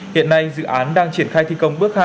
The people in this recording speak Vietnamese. hiện nay dự án đang triển khai thi công bước hai